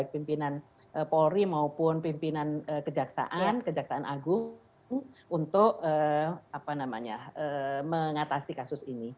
pimpinan polri maupun pimpinan kejaksaan agung untuk mengatasi kasus ini